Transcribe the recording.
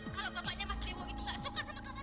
kalau kamu tidak mengerti apa yang saya katakan